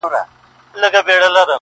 هر سړى پر ځان شكمن سو چي نادان دئ-